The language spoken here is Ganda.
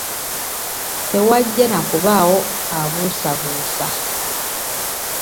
Tewajja na kubaawo ambuusabuusa.